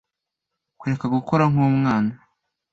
kureka gukora nk'umwana